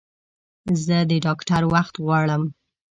زه د ډاکټر وخت غواړم